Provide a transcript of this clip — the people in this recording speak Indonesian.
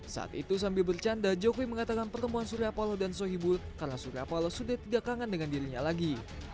saat itu sambil bercanda jokowi mengatakan pertemuan surya paloh dan sohibul karena surya paloh sudah tidak kangen dengan dirinya lagi